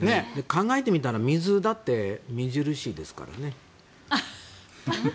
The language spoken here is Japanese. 考えてみたら水だって無印ですからね。